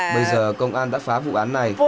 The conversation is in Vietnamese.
bây giờ công an đã phá vụ án này